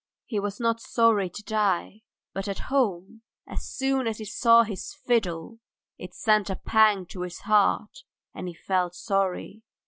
He was not sorry to die, but at home, as soon as he saw his fiddle, it sent a pang to his heart and he felt sorry.